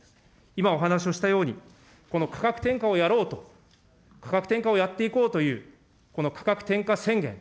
今、お話をしたように、この価格転嫁をやろうと、価格転嫁をやっていこうという、この価格転嫁宣言。